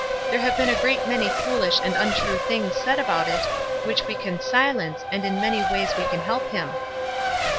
There have been a great many foolish and untrue things said about it, which we can si lence, and in many ways we can help him."